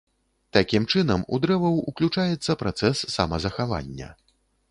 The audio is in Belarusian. Такім чынам у дрэваў уключаецца працэс самазахавання.